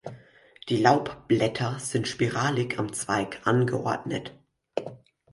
Die Laubblätter sind spiralig am Zweig angeordnet.